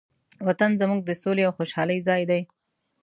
وطن زموږ د سولې او خوشحالۍ ځای دی.